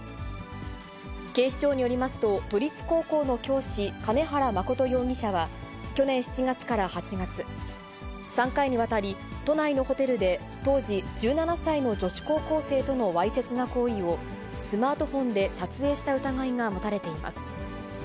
警視庁によりますと、都立高校の教師、兼原真容疑者は、去年７月から８月、３回にわたり都内のホテルで、当時１７歳の女子高校生とのわいせつな行為を、スマートフォンで撮影した疑いが持たれています。